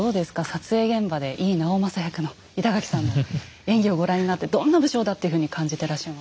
撮影現場で井伊直政役の板垣さんの演技をご覧になってどんな武将だっていうふうに感じていらっしゃいますか？